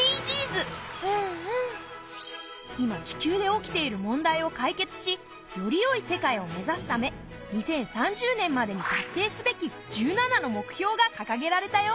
今地球で起きている問題を解決しよりよい世界を目指すため２０３０年までに達成すべき１７の目標がかかげられたよ。